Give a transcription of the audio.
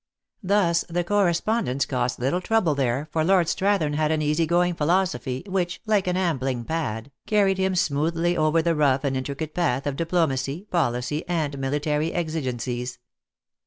Thus the correspondence cost little THE ACTRESS IN HIGH LIFE. 325 trouble there, for Lord Strathern had an easy going philosophy, which, like an ambling pad, carried him smoothly over the rough and intricate path of diplo macy, policy, and military exigencies.